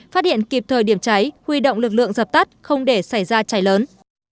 phát hiện kịp thời điểm cháy huy động lực lượng dập tắt không để xảy ra cháy lớn